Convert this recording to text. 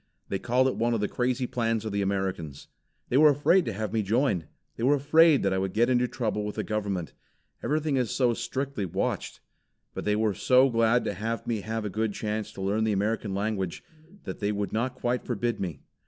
They called it one of the crazy plans of the Americans. They were afraid to have me join. They were afraid that I would get into trouble with the government. Everything is so strictly watched. But they were so glad to have me have a good chance to learn the American language, that they would not quite forbid me.